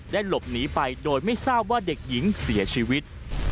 หลบหนีไปโดยไม่ทราบว่าเด็กหญิงเสียชีวิต